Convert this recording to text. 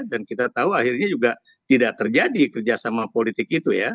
dan kita tahu akhirnya juga tidak terjadi kerjasama politik itu ya